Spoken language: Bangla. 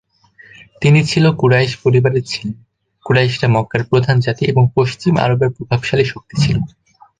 তিনি ছিল কুরাইশ পরিবারের ছিলেন, কুরাইশরা মক্কার প্রধান জাতি এবং পশ্চিম আরবের প্রভাবশালী শক্তি ছিল।